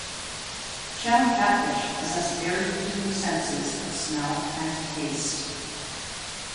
Channel catfish possess very keen senses of smell and taste.